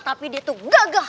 tapi dia tuh gagah